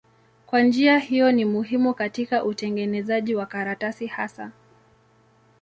Kwa njia hiyo ni muhimu katika utengenezaji wa karatasi hasa.